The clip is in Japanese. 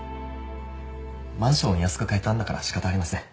マンションを安く買えたんだから仕方ありません。